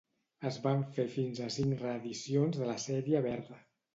Es van fer fins a cinc reedicions de la sèrie verda.